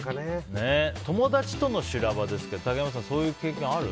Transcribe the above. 友達との修羅場ですが竹山さん、そういう経験ある？